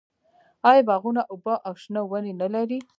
آیا باغونه اوبه او شنه ونې نلري؟